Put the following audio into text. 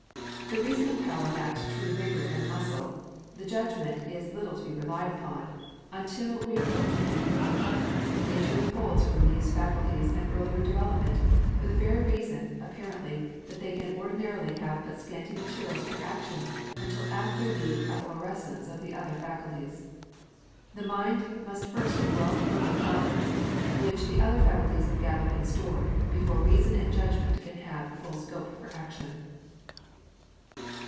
The reasoning power lacks true vigor and muscle, the judgment is little to be relied on, until we approach manhood. Nature withholds from these faculties an earlier development, for the very reason, apparently, that they can ordinarily have but scanty materials for action until after the efflorescence of the other faculties. The mind must first be well filled with knowledge, which the other faculties have gathered and stored, before reason and judgment can have full scope for action.